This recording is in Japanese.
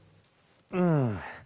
うん。